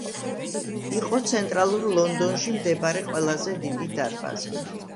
იყო ცენტრალურ ლონდონში მდებარე ყველაზე დიდი დარბაზი.